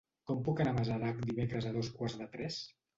Com puc anar a Masarac dimecres a dos quarts de tres?